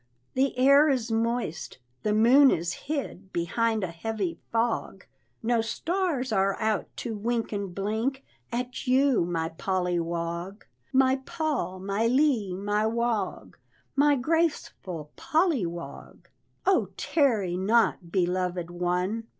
"The air is moist, the moon is hid Behind a heavy fog; No stars are out to wink and blink At you, my Polly Wog My Pol, my Ly my Wog, My graceful Polly Wog; Oh, tarry not, beloved one!